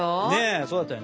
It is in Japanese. そうだったよね。